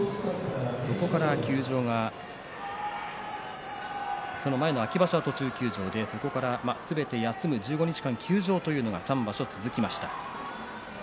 そこから休場がその前の秋場所は途中休場でそこからすべて休む１５日間休場というのが３場所続きました。